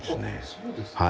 そうですか。